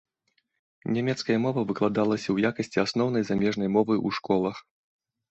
Нямецкая мова выкладалася ў якасці асноўнай замежнай мовы ў школах.